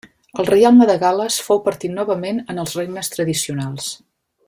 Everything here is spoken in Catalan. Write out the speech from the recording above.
El reialme de Gal·les fou partit novament en els regnes tradicionals.